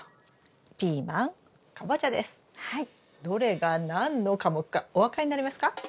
どれが何の科目かお分かりになりますか？